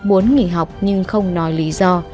muốn nghỉ học nhưng không nói lý do